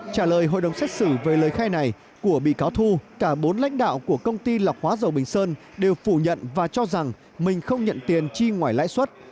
trả lời hội đồng xét xử về lời khai này của bị cáo thu cả bốn lãnh đạo của công ty lọc hóa dầu bình sơn đều phủ nhận và cho rằng mình không nhận tiền chi ngoài lãi suất